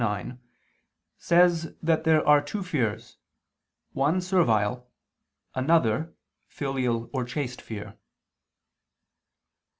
ix) says that there are two fears, one servile, another filial or chaste fear.